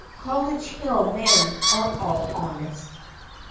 College Hill men are all honest.